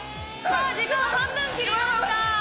時間、半分切りました。